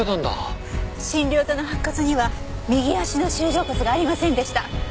診療所の白骨には右足の舟状骨がありませんでした。